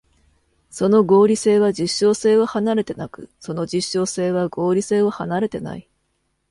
その合理性は実証性を離れてなく、その実証性は合理性を離れてない。